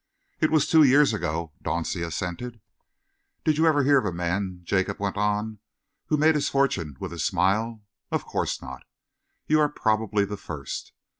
"It was two years ago," Dauncey assented. "Did you ever hear of a man," Jacob went on, "who made his fortune with a smile? Of course not. You are probably the first.